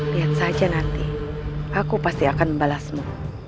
lihat saja nanti aku pasti akan membalasmu